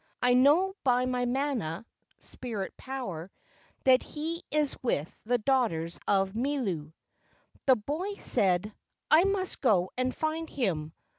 I know by my mana [spirit power] that he is with the daughters of Milu." The boy said: "I must go and find him.